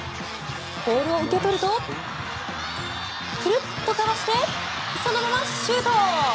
ボールを受け取るとクルッとかわしてそのままシュート。